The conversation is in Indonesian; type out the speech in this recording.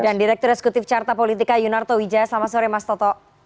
dan direktur eksekutif carta politika yunarto wijaya selamat sore mas toto